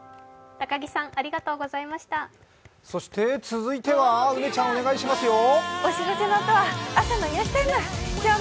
続いては梅ちゃんお願いしますよ。